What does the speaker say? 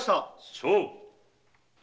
勝負！